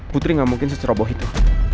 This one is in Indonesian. putri nggak mungkin seceroboh itu